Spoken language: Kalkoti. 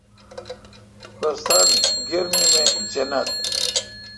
کوستان گرمی می جنت۔